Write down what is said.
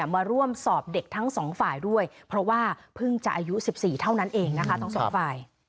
มาร่วมสอบเด็กทั้งสองฝ่ายด้วยเพราะว่าเพิ่งจะอายุ๑๔เท่านั้นเองนะคะทั้งสองฝ่าย